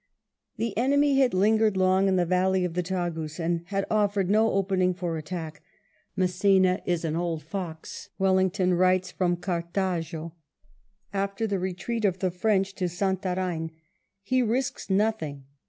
The enemy had lingered long in the valley of the Tagus, and had offered no opening for attack. " Mass^na is an old fox," Wellington writes from Cartaxo, after the 144 WELLINGTON retreat of the French to Santarem, " he risks nothing."